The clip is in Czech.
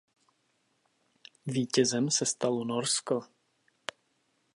Vítězem se stalo Norsko.